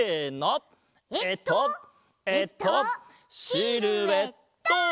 えっとえっとシルエット！